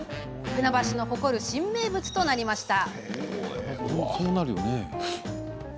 船橋の誇る新名物となりました。